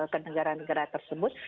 ke negara negara tersebut